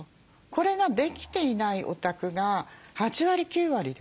これができていないお宅が８割９割です。